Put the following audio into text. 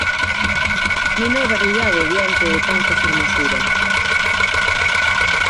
Neno abraiado diante de tanta fermosura.